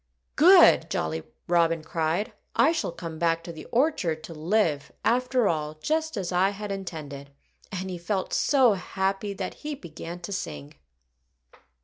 "Good!" Jolly Robin cried. "I shall come back to the orchard to live, after all, just as I had intended." And he felt so happy that he began to sing.